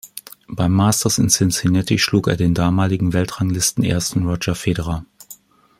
Beim Masters in Cincinnati schlug er den damaligen Weltranglistenersten Roger Federer.